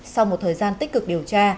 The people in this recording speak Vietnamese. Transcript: sau một thời gian tích cực điều tra